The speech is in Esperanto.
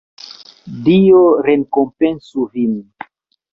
Dio rekompencu vin!